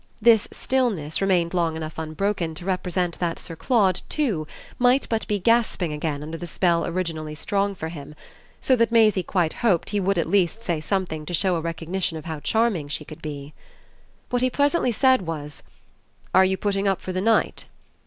This stillness remained long enough unbroken to represent that Sir Claude too might but be gasping again under the spell originally strong for him; so that Maisie quite hoped he would at least say something to show a recognition of how charming she could be. What he presently said was: "Are you putting up for the night?"